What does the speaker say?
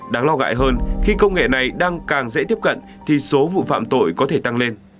đáng lo gại hơn khi công nghệ này đang càng dễ tiếp cận thì số vụ phạm tội có thể tăng lên